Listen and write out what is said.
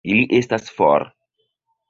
Ili estas for!